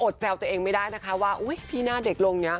อดแซวตัวเองไม่ได้นะคะว่าพรีหน้าเด็กโรง